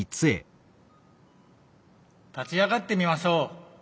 立ち上がってみましょう！